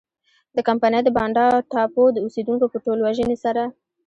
د کمپنۍ د بانډا ټاپو د اوسېدونکو په ټولوژنې سره.